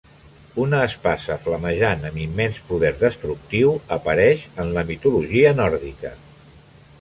Una espasa flamejant amb immens poder destructiu apareix en la mitologia nòrdica.